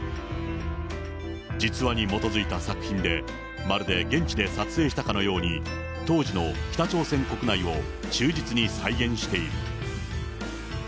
実話に基づいた作品で、まるで現地で撮影したかのように、当時の北朝鮮国内を忠実に再現している。